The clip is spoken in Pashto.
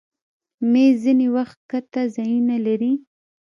مېز ځینې وخت ښکته ځایونه لري.